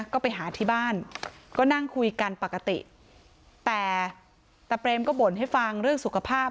ก็ไปหาที่บ้านก็นั่งคุยกันปกติแต่ตาเปรมก็บ่นให้ฟังเรื่องสุขภาพ